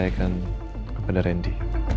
saya akan kepada randy